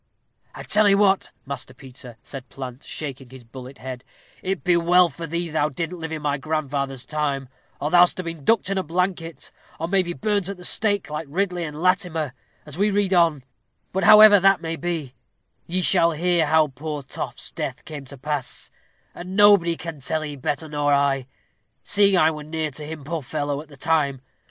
"I tell 'ee what, Master Peter," said Plant, shaking his bullet head, "it be well for thee thou didn't live in my grandfather's time, or thou'dst ha' been ducked in a blanket; or may be burnt at the stake, like Ridley and Latimer, as we read on but however that may be, ye shall hear how poor Toft's death came to pass, and nobody can tell 'ee better nor I, seeing I were near to him, poor fellow, at the time.